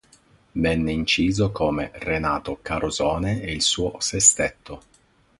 Venne inciso come Renato Carosone e il suo Sestetto.